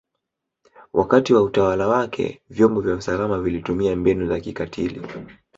Wakati wa utawala wake vyombo vya usalama vilitumia mbinu za kikatili